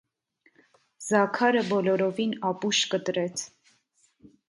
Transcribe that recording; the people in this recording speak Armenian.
Զաքարը բոլորովին ապուշ կտրեց: